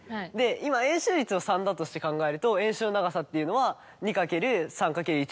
今円周率を３だとして考えると円周の長さっていうのは。